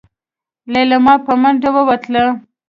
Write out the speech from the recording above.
ليلما په منډه ووتله.